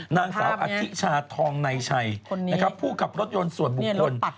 นางสาวอธิชาทองนายชัยผู้ขับรถยนต์สวนบุคลน